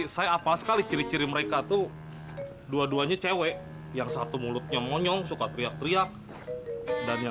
sampai jumpa di video selanjutnya